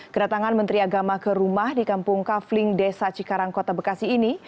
kedatangan menteri agama ke rumah di kampung kafling desa cikarang kota bekasi ini